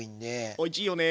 おいちいよね。